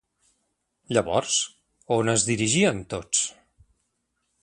Llavors, a on es dirigiren tots?